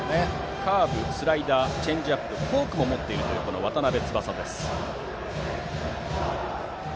カーブ、スライダーチェンジアップフォークも持っている渡邉翼。